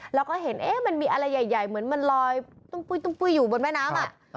แล้วก็เห็นเอ๊ะมันมีอะไรใหญ่ใหญ่เหมือนมันลอยตุ้งปุ้ยตุ้งปุ้ยอยู่บนแม่น้ำอ่ะ